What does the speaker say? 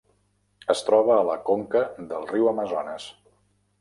Es troba a la conca del riu Amazones.